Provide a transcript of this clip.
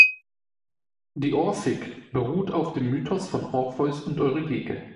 Die Orphik beruht auf dem Mythos von Orpheus und Eurydike.